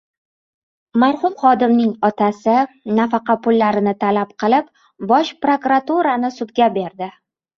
Marhum xodimning otasi nafaqa pullarini talab qilib, Bosh prokuraturani sudga berdi